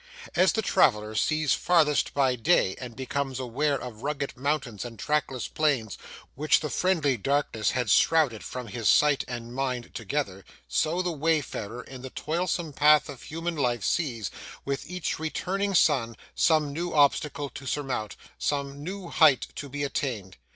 As the traveller sees farthest by day, and becomes aware of rugged mountains and trackless plains which the friendly darkness had shrouded from his sight and mind together, so, the wayfarer in the toilsome path of human life sees, with each returning sun, some new obstacle to surmount, some new height to be attained.